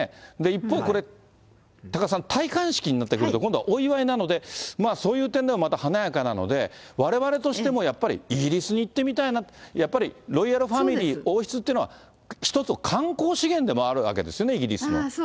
一方、これ、多賀さん、戴冠式になってくると、今度はお祝いなので、そういう点では、また華やかなので、われわれとしてもやっぱり、イギリスに行ってみたいな、やっぱりロイヤルファミリー、王室っていうのは、１つの観光資源でもあるわけですよね、イギリスは。